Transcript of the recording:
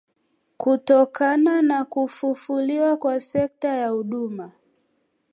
kutokana na kufufuliwa kwa sekta ya huduma